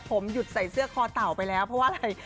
ผมหยุดใส่เสื้อคอเต่าไปแล้วเพราะว่าอะไร